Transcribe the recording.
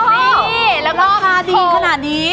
นี่แล้วก็ราคาดีขนาดนี้